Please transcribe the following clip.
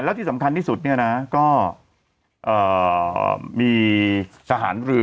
แล้วที่สำคัญที่สุดเนี่ยนะก็มีทหารเรือ